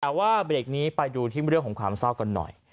แต่ว่าเบรกนี้ไปดูที่เรื่องของความเศร้ากันหน่อย